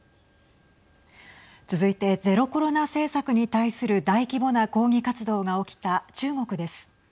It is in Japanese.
続いてゼロコロナ政策に対する大規模な抗議活動が起きた中国です。